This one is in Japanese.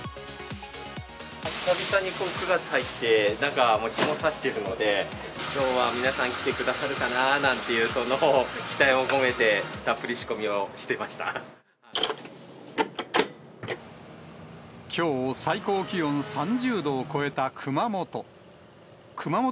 久々に９月入って、なんか、日もさしてるので、きょうは皆さん、来てくださるかななんていう期待を込めて、たっぷり仕込みをしてきょう、最高気温３０度を超えた熊本。